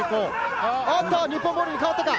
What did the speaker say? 日本ボールに変わったか？